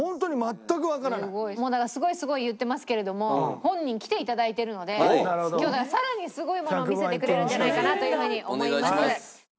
もうだから「すごいすごい」言ってますけれども本人来ていただいてるので今日だから更にすごいものを見せてくれるんじゃないかなという風に思います。